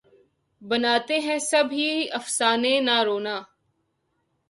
بناتے ہیں سب ہی افسانے نہ رونا